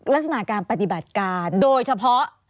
ลักษณะการปฏิบัติการโดยเฉพาะ